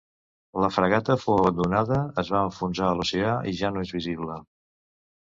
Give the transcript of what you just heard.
La fragata fou abandonada, es va enfonsar a l'oceà i ja no és visible.